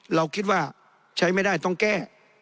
เราคิดว่าใช้ไม่ได้ต้องแก้